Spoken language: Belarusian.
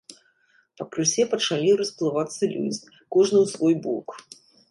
Пакрысе пачалі расплывацца людзі, кожны ў свой бок.